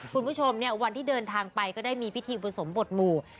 คุณผู้ชมเนี่ยวันที่เดินทางไปก็ได้มีพิธีอุปสมบทหมู่